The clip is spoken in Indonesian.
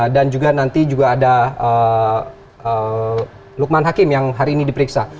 dan juga nanti juga ada lukman hakim yang hari ini diperiksa